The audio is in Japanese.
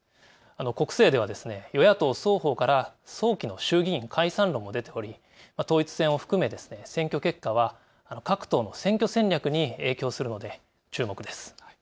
国政では与野党双方から早期の衆議院解散論も出ており統一選を含め選挙結果は各党の選挙戦略に影響するので注目です。